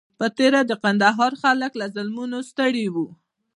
په تېره د کندهار خلک له ظلمونو ستړي وو.